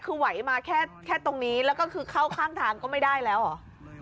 คือไหวมาแค่ตรงนี้แล้วก็คือเข้าข้างทางก็ไม่ได้แล้วเหรอ